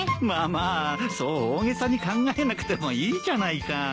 まあまあそう大げさに考えなくてもいいじゃないか。